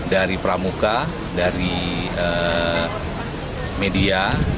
dari pramuka dari media